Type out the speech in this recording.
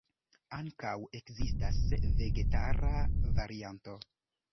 Ankaŭ ekzistas vegetara varianto.